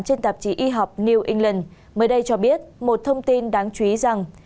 trên tạp chí y học new england mới đây cho biết một thông tin đáng chú ý rằng